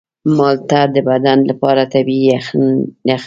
مالټه د بدن لپاره طبیعي یخن دی.